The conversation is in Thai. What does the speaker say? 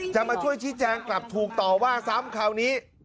มาช่วยชี้แจงกลับถูกต่อว่าซ้ำคราวนี้